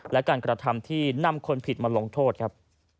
และการกระทำที่นำคนผิดมาลงโทษครับ